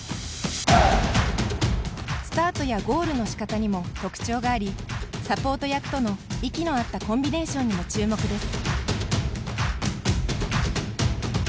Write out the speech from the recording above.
スタートやゴールのしかたにも特徴がありサポート役との息のあったコンビネーションにも注目です。